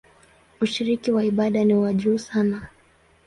Ushiriki wa ibada ni wa juu sana.